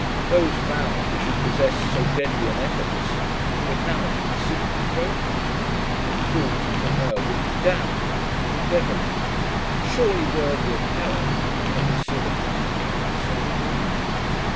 Those vows which had possessed so deadly an efficacy, were now to be simply broken! The cruelty to her would be damnable, devilish, surely worthy of hell if any sin of man can be so called!